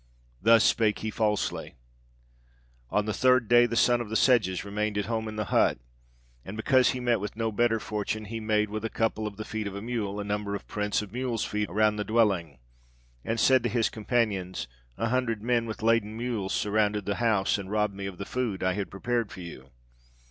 "Thus spake he falsely. On the third day the Son of the Sedges remained at home in the hut, and because he met with no better fortune, he made, with a couple of the feet of a mule, a number of prints of mules' feet around the dwelling, and said to his companions, 'A hundred men with laden mules surrounded the house, and robbed me of the food I had prepared for you.'